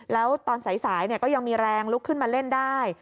แล้วตอนสายก็ยังมีแรงลุกขึ้นมาเล่นได้